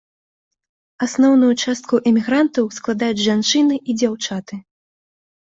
Асноўную частку эмігрантаў складаюць жанчыны і дзяўчаты.